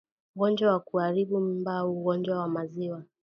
Ugonjwa wa kuharibu Mimba au Ugonjwa wa Maziwa